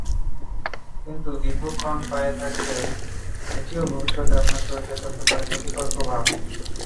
কিন্তু দীর্ঘক্ষণ পায়ে থাকলে এটিও ভবিষ্যতে আপনার শরীরে ফেলতে পারে ক্ষতিকর প্রভাব।